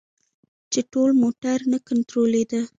چې ټول موټر نه کنترولیده.